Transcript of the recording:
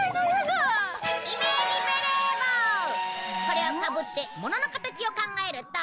これをかぶってものの形を考えると。